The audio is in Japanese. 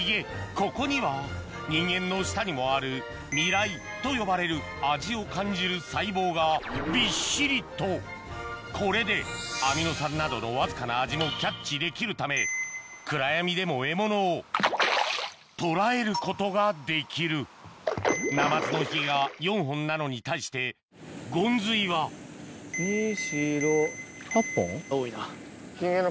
ここには人間の舌にもある味蕾と呼ばれる味を感じる細胞がびっしりとこれでアミノ酸などのわずかな味もキャッチできるため暗闇でも獲物を捕らえることができるナマズのヒゲが４本なのに対してゴンズイはへぇ。